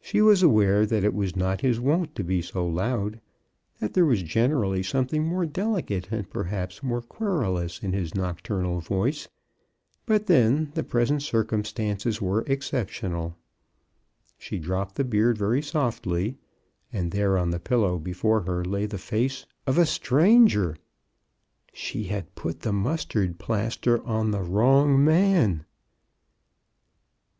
She was aware that it was not his wont to be so loud — that there was generally something more delicate and perhaps more querulous in his noc turnal voice, but then the present circumstances were exceptional. She dropped the beard very softly — and there on the pillow before her lay the face of a stranger. She had put the mus tard plaster on the wrong man.